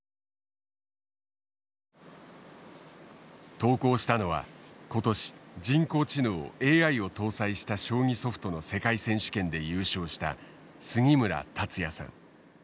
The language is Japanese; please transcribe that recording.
投稿したのは今年人工知能ＡＩを搭載した将棋ソフトの世界選手権で優勝した杉村達也さん。